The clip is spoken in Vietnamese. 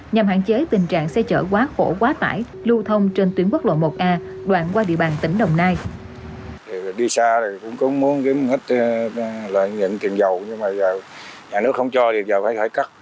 nhằm hạn chế tình trạng xe chở quá khổ quá tải lưu thông trên tuyến quốc lộ một a đoạn qua địa bàn tỉnh đồng nai